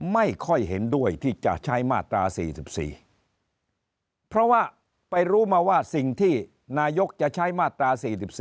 ไม่ค่อยเห็นด้วยที่จะใช้มาตรา๔๔เพราะว่าไปรู้มาว่าสิ่งที่นายกจะใช้มาตรา๔๔